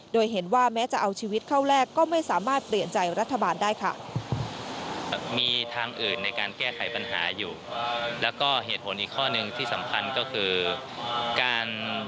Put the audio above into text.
โดยเห็นว่าแม้จะเอาชีวิตเข้าแรกก็ไม่สามารถเปลี่ยนใจรัฐบาลได้ค่ะ